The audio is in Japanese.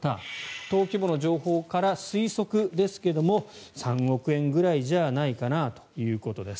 登記簿の情報から推測ですが３億円ぐらいじゃないかなということです。